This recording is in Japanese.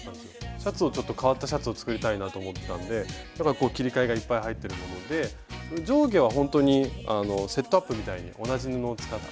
シャツをちょっと変わったシャツを作りたいなと思ったんでだからこう切り替えがいっぱい入ってるもので上下はほんとにセットアップみたいに同じ布を使って。